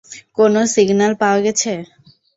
কোনও সিগন্যাল পাওয়া গেছে?